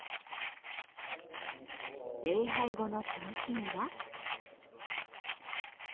礼拝後の楽しみは？